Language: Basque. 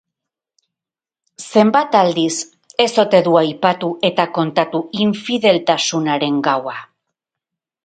Zenbat aldiz ez ote du aipatu eta kontatu infideltasunaren gaua?